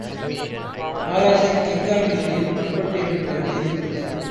Dara Singh King Kong நெற்றியில் பட்பட் என்று பல அடிகொடுத்தார்.